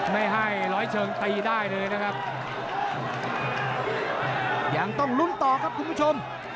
ไม่ให้ร้อยเชิงตีได้เลยนะครับยังต้องลุ้นต่อครับคุณผู้ชม